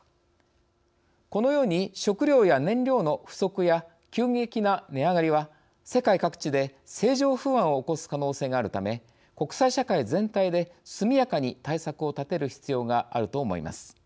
このように、食糧や燃料の不足や急激な値上がりは世界各地で政情不安を起こす可能性があるため国際社会全体で、速やかに対策を立てる必要があると思います。